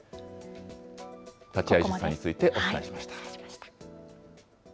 立ち会い出産についてお伝えしました。